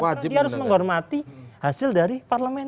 karena dia harus menghormati hasil dari parlement